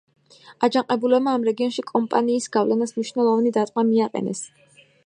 აჯანყებულებმა ამ რეგიონში კომპანიის გავლენას მნიშვნელოვანი დარტყმა მიაყენეს.